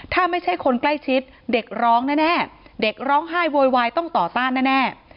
ถ้าไม่ใช่คนใกล้ชิดเด็กร้องแน่เด็กร้องไห้โวยวายต้องต่อต้านแน่